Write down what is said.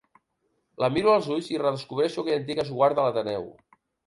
La miro als ulls i redescobreixo aquell antic esguard de l'Ateneu.